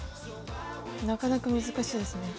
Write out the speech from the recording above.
なかなか難しいですね。